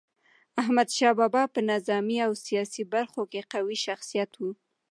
احمد شاه بابا په نظامي او سیاسي برخو کي قوي شخصیت و.